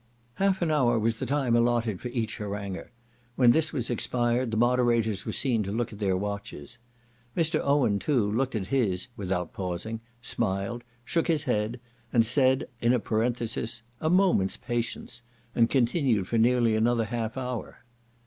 Half an hour was the time allotted for each haranguer; when this was expired, the moderators were seen to look at their watches. Mr. Owen, too, looked at his (without pausing) smiled, shook his head, and said in a parenthesis "a moment's patience," and continued for nearly another half hour.